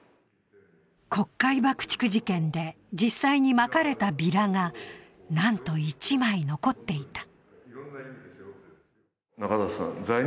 国会爆竹事件で実際にまかれたビラが、なんと１枚残っていた。